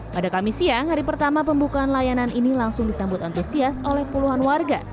pada kamis siang hari pertama pembukaan layanan ini langsung disambut antusias oleh puluhan warga